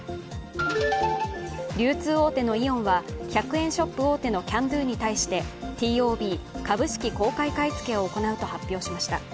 流通大手のイオンは１００円ショップ大手のキャンドゥに対してＴＯＢ＝株式公開買い付けを行うと発表しました。